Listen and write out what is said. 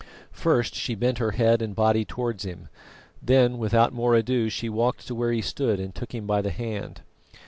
First she bent her head and body towards him, then without more ado she walked to where he stood and took him by the hand.